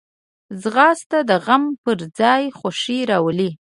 ځغاسته د غم پر ځای خوښي راولي